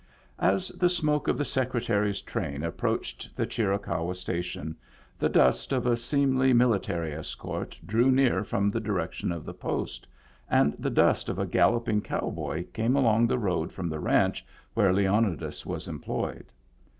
As the smoke of the Secretary's train approached the Chiricahua sta tion, the dust of a seemly military escort drew near from the direction of the post, and the dust of a galloping cow boy came along the road from the ranch where Leonidas was employed.